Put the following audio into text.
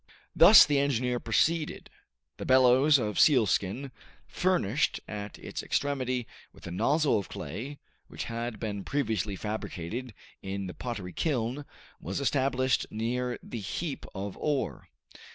Thus the engineer proceeded. The bellows of sealskin, furnished at its extremity with a nozzle of clay, which had been previously fabricated in the pottery kiln, was established near the heap of ore.